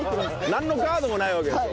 なんのガードもないわけでしょ？